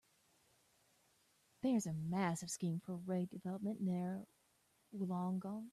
There is a massive scheme for redevelopment near Wollongong.